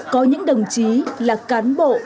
có những đồng chí là cán bộ